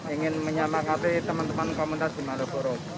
ingin menyamakati teman teman komunitas di malioboro